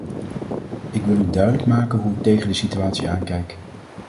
Ik wil u duidelijk maken hoe ik tegen de situatie aankijk.